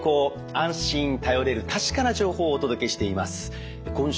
安心頼れる確かな情報をお届けしています。